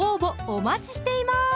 お待ちしています